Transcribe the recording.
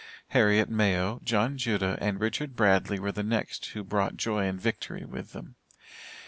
Harriet Mayo, John Judah, and Richard Bradley were the next who brought joy and victory with them.